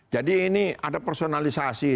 jadi ini ada personalisasi